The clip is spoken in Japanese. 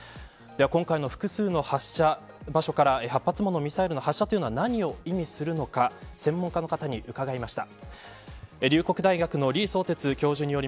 今回の複数の発射場所から８発のミサイル発射というのは何を意味するのか専門家に伺いました。